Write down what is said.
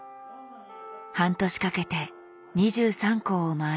半年かけて２３校を回ります。